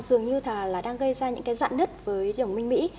dường như là đang gây ra những cái giạn nứt với đồng minh mỹ